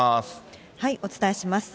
お伝えします。